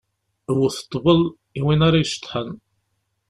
Wwet ṭṭbel, i win ara iceḍḥen!